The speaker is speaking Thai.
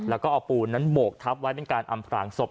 แล้วก็เอาปูนนั้นโบกทับไว้เป็นการอำพรางศพ